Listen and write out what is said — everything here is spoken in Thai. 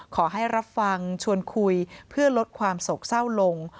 ขอให้รับฟังชวนคุยเพื่อลดความโศกเศร้าลง